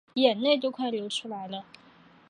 眼泪都快流出来了